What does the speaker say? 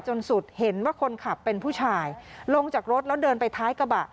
สุดเห็นว่าคนขับเป็นผู้ชายลงจากรถแล้วเดินไปท้ายกระบะ